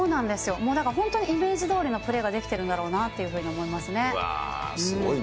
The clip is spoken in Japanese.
もうだから本当にイメージどおりのプレーができているんだろうなすごいね。